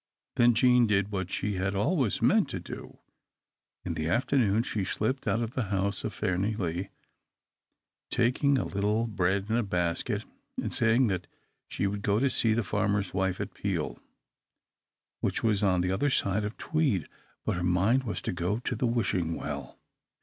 Then Jean did what she had always meant to do. In the afternoon she slipped out of the house of Fairnilee, taking a little bread in a basket, and saying that she, would go to see the farmer's wife at Peel, which was on the other side of Tweed. But her mind was to go to the Wishing Well.